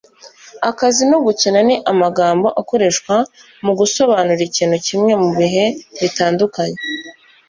Akazi no gukina ni amagambo akoreshwa mugusobanura ikintu kimwe mubihe bitandukanye